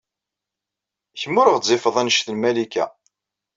Kemm ur ɣezzifeḍ anect n Malika.